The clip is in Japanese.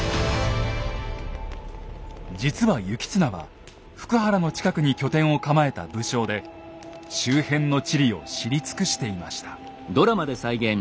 実は行綱は福原の近くに拠点を構えた武将で周辺の地理を知り尽くしていました。